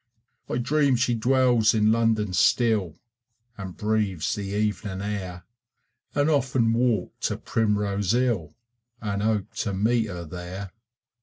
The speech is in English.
I dream she dwells in London still And breathes the evening air, And often walk to Primrose Hill, And hope to meet her there.